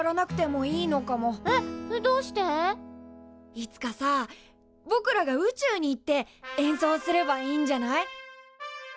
いつかさぼくらが宇宙に行って演奏すればいいんじゃない？